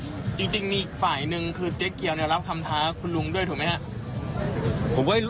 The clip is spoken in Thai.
จริงมีฝ่ายหนึ่งคือเจ๊เกียวรับคำท้าคุณลุงด้วยถูกไหมฮะ